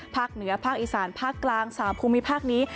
เหนือภาคอีสานภาคกลาง๓ภูมิภาคนี้